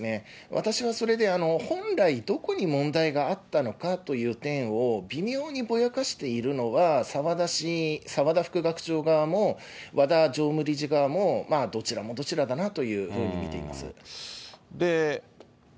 私はそれで、本来、どこに問題があったのかという点を微妙にぼやかしているのは、澤田副学長側も和田常務理事側も、どちらもどちらだなというふうに見ています。